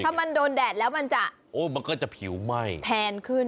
ถ้ามันโดนแดดแล้วมันจะโอ้มันก็จะผิวไหม้แทนขึ้น